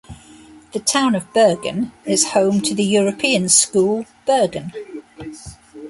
The town of Bergen is home to the European School, Bergen.